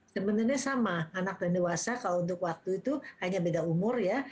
sebenarnya sama anak dan dewasa kalau untuk waktu itu hanya beda umur ya